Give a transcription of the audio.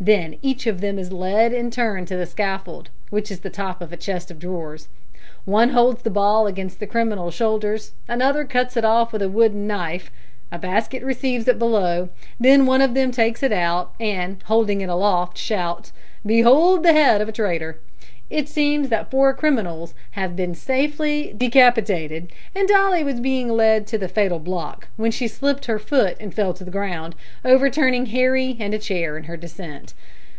Then each of them is led in turn to the scaffold, which is the top of a chest of drawers. One holds the ball against the criminal's shoulders, another cuts it off with a wooden knife, a basket receives it below, then one of them takes it out, and, holding it aloft shouts `Behold the head of a traitor!' It seems that four criminals had been safely decapitated, and Dolly was being led to the fatal block, when she slipped her foot and fell to the ground, overturning Harry and a chair in her descent.